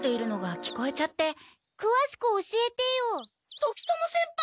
時友先輩！